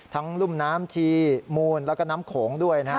รุ่มน้ำชีมูลแล้วก็น้ำโขงด้วยนะฮะ